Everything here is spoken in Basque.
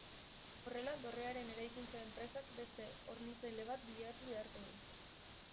Horrela, dorrearen eraikuntza enpresak beste hornitzaile bat bilatu beharko du.